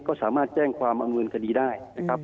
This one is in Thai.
ก็สามารถแจ้งความอำนวยคดีได้นะครับ